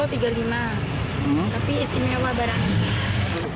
tapi istimewa barangnya